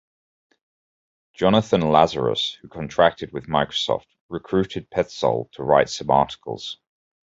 "Jonathan Lazarus", who contracted with Microsoft, recruited Petzold to write some articles.